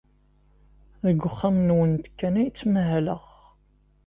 Deg uxxam-nwent kan ay ttmahaleɣ.